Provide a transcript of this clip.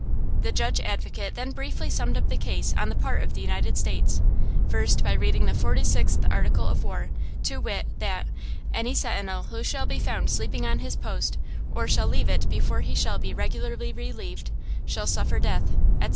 The Judge Advocate then briefly summed up the case on the part of the United States–first by reading the 46th Article of War, to wit, that: "Any sentinel who shall be found sleeping on his post, or shall leave it before he shall be regularly relieved, shall suffer death," etc.